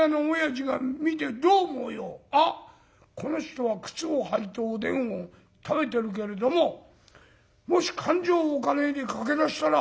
『あっこの人は靴を履いておでんを食べてるけれどももし勘定を置かねえで駆け出したら速えだろうな』。